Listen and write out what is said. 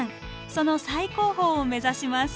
その最高峰を目指します。